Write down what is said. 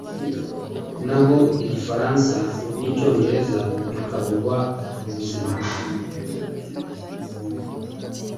naho igifaransa n’icyongereza bikavugwa mu buzimam